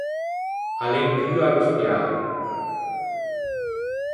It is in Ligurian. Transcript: A l’é in cua à l’ospiâ.